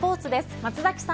松崎さん